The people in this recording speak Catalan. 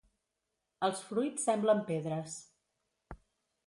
Els fruits semblen pedres.